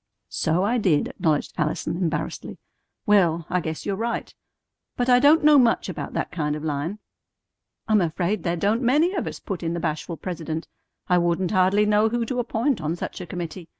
"So I did," acknowledged Allison embarrassedly. "Well, I guess you're right. But I don't know much about that kind of line." "I'm afraid there don't many of us," put in the bashful president. "I wouldn't hardly know who to appoint on such a committee.